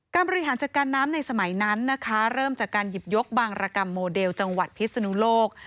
บริหารจัดการน้ำในสมัยนั้นนะคะเริ่มจากการหยิบยกบางรกรรมโมเดลจังหวัดพิศนุโลก